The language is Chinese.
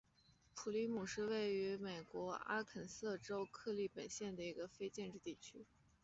普里姆是位于美国阿肯色州克利本县的一个非建制地区。